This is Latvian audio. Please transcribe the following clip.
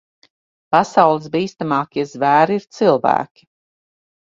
Pasaules bīstamākie zvēri ir cilvēki.